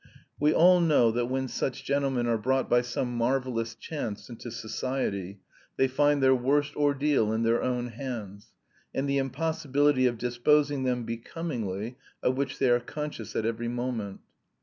We all know that when such gentlemen are brought by some marvellous chance into society, they find their worst ordeal in their own hands, and the impossibility of disposing them becomingly, of which they are conscious at every moment.